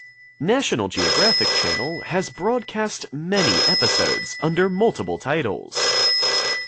National Geographic Channel has broadcast many episodes under multiple titles.